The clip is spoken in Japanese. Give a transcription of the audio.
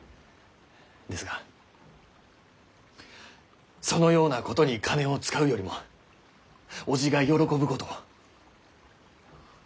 ですがそのようなことに金を使うよりも伯父が喜ぶことを。